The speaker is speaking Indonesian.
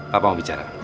papa mau bicara